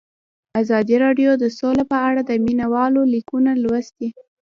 ازادي راډیو د سوله په اړه د مینه والو لیکونه لوستي.